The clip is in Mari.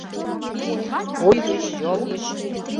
Вуй гыч, йол гыч...